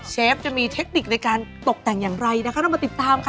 เชฟจะมีเทคนิคในการตกแต่งอย่างไรนะคะเรามาติดตามค่ะ